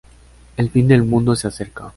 El Fin del Mundo se acerca...